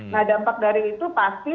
nah dampak dari itu pasti